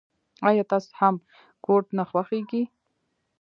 آیا تاسو هم کورت نه خوښیږي.